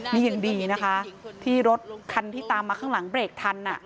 นี่ยังดีนะคะที่รถคันที่ตามมาข้างหลังเบรกทัน